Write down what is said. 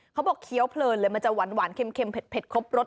เคี้ยวเพลินเลยมันจะหวานเค็มเผ็ดครบรส